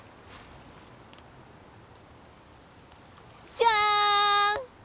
じゃん！